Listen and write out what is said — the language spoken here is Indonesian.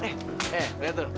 eh eh lihat tuh